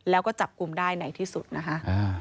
แล้วก็จับกลุ่มได้ไหนที่สุดนะคะ